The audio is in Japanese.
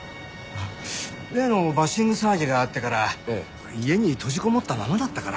例のバッシング騒ぎがあってから家に閉じこもったままだったから。